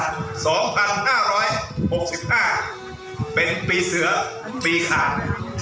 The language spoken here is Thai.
เป็นปีเสือปีขาด